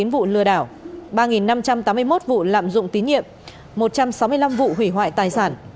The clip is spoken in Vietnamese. một tám trăm linh chín vụ lừa đảo ba năm trăm tám mươi một vụ lạm dụng tín nhiệm một trăm sáu mươi năm vụ hủy hoại tài sản